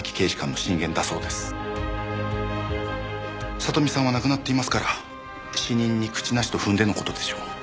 聡美さんは亡くなっていますから死人に口なしと踏んでの事でしょう。